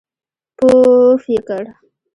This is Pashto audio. پووووووفففف یې کړ.